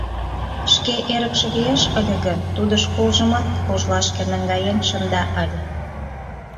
Шке эрыкше лиеш ыле гын, тудо школжымат кожлашке наҥгаен шында ыле.